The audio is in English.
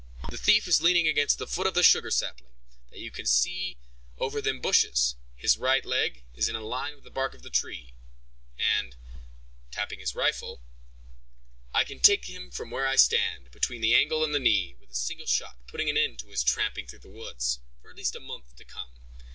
"The thief is leaning against the foot of the sugar sapling, that you can see over them bushes; his right leg is in a line with the bark of the tree, and," tapping his rifle, "I can take him from where I stand, between the angle and the knee, with a single shot, putting an end to his tramping through the woods, for at least a month to come.